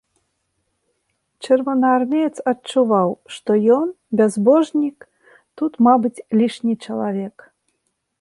Чырвонаармеец адчуваў, што ён, бязбожнік, тут, мабыць, лішні чалавек.